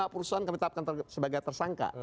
lima perusahaan kami tetapkan sebagai tersangka